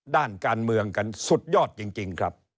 ด้านการเมืองกันสุดยอดจริงครับ